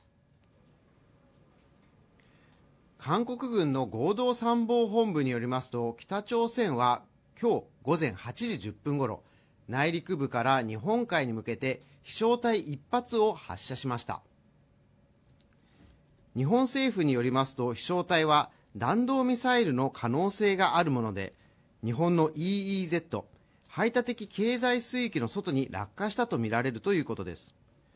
韓国軍の合同参謀本部によりますと北朝鮮はきょう午前８時１０分ごろ内陸部から日本海に向けて飛しょう体１発を発射しました日本政府によりますと飛翔体は弾道ミサイルの可能性があるもので日本のＥＥＺ＝排他的経済水域の外に落下したと見られるということです